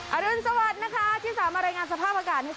อะรุนสวัสดิ์นะคะที่สามารยงานสภาพอากาศ